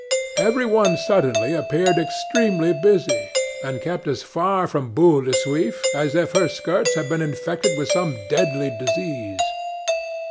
Every one suddenly appeared extremely busy, and kept as far from Boule de Suif as if her skirts had been infected with some deadly disease.